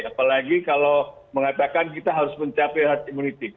apalagi kalau mengatakan kita harus mencapai herd immunity